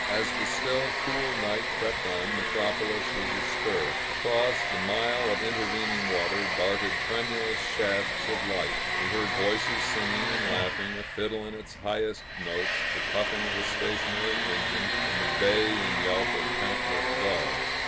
As the still, cool night crept on, Metropolis was astir; across the mile of intervening water, darted tremulous shafts of light; we heard voices singing and laughing, a fiddle in its highest notes, the puffing of a stationary engine, and the bay and yelp of countless dogs.